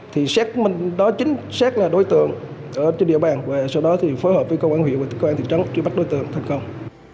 thì xét mình đó chính xét là đối tượng trên địa bàn và sau đó phối hợp với công an huyện và công an thị trấn truy bắt đối tượng thành công